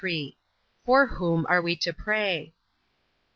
For whom are we to pray?